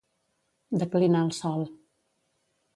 Declinar el sol.